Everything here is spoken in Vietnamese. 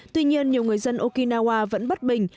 tuy nhiên nhiều người dân okinawa vẫn bất bình